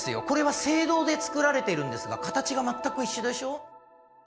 これは青銅で作られてるんですが形が全く一緒でしょ。